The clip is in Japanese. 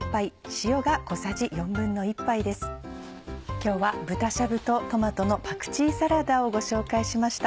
今日は「豚しゃぶとトマトのパクチーサラダ」をご紹介しました。